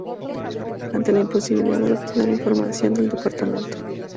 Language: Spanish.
Ante la imposibilidad de obtener información del Dpto.